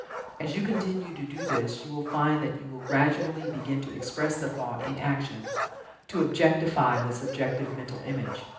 As you continue to do this you will find that you will gradually begin to express the thought in action to objectify the subjective mental image.